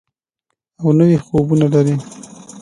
او نوي خوبونه لري.